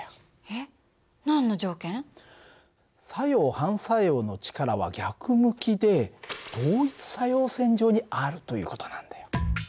えっ何の条件？作用・反作用の力は逆向きで同一作用線上にあるという事なんだよ。